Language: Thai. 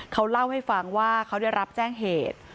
เขาเล่าให้ฟังว่าเขาได้รับแจ้งเหตุ